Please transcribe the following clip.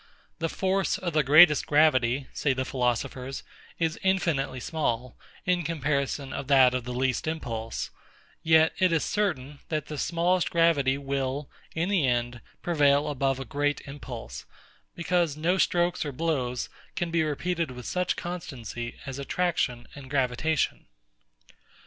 The force of the greatest gravity, say the philosophers, is infinitely small, in comparison of that of the least impulse: yet it is certain, that the smallest gravity will, in the end, prevail above a great impulse; because no strokes or blows can be repeated with such constancy as attraction and gravitation.